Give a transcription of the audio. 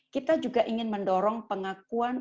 kita juga ingin mendorong pengakuan